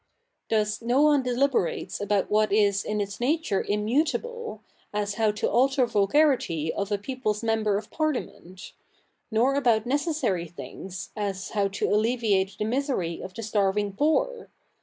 Thus no one deliberates about what Ti8 THE NEW REPUBLIC [v.k. hi is in its Jiature immutable^ as hoiv to alter zm/garitv of a people's member of Pa? liament ; nor about necessary things, as hotv to alleviate the misery of the stai'ving poor